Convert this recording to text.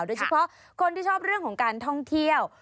โดยเฉพาะคนที่ชอบเรื่องของการท่องเที่ยว